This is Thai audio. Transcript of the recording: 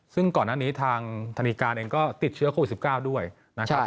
ซึ่งก่อนหน้านี้ทางธนิการเองก็ติดเชื้อโควิด๑๙ด้วยนะครับ